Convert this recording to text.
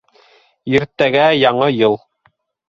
Иртәгә Яңы йыл!